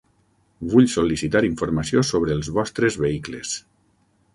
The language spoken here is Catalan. Vull sol·licitar informació sobre els vostres vehicles.